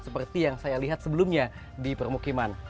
seperti yang saya lihat sebelumnya di permukiman